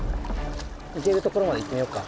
行けるところまで行ってみよっか。